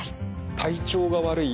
体調が悪い